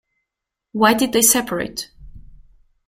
Why did they separate?